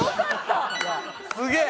すげえ！